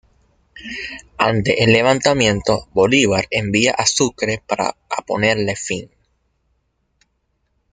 Ante el levantamiento, Bolívar envía a Sucre a ponerle fin.